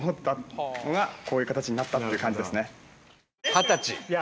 二十歳。